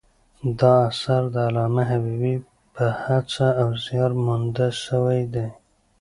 دا اثر د علامه حبیبي په هڅه او زیار مونده سوی دﺉ.